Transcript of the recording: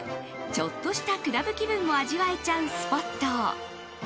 ちょっとしたクラブ気分も味わえちゃうスポット。